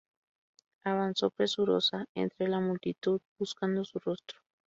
Avanzo presurosa entre la multitud buscando su rostro